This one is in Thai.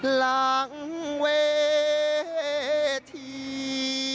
หลังเวที